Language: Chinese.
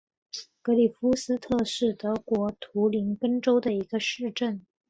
格里夫斯特是德国图林根州的一个市镇。